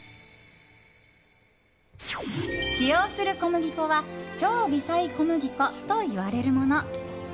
使用する小麦粉は超微細小麦粉といわれるもの。